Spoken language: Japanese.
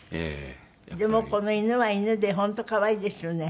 でもこの犬は犬で本当可愛いですよね。